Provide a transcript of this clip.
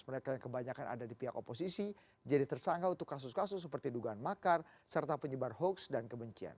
mereka yang kebanyakan ada di pihak oposisi jadi tersangka untuk kasus kasus seperti dugaan makar serta penyebar hoax dan kebencian